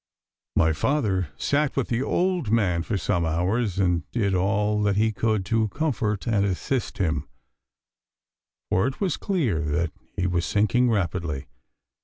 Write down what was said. My father sat with the old man for some hours and did all that he could to comfort and assist him, for it was clear that he was sinking rapidly.